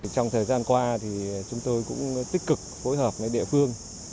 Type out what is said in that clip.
trong thời gian qua chúng tôi cũng tích cực phối hợp với địa phương